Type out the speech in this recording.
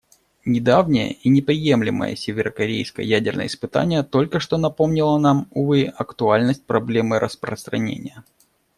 Недавнее и неприемлемое северокорейское ядерное испытание только что напомнило нам, увы, актуальность проблемы распространения.